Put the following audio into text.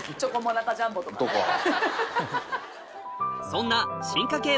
そんな進化系